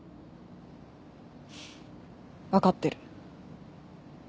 分かってる。